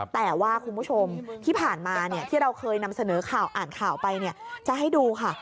แต่ว่าคุณผู้ชมที่ผ่านมาที่เราเคยนำเสนอข่าวอ่านข่าวไปจะให้ดูค่ะ